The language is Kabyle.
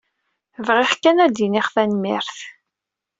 Bɣiɣ kan ad iniɣ tanemmirt.